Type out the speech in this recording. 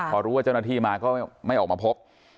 พอรู้ว่าเจ้าหน้าที่มาก็ไม่ออกมาพบ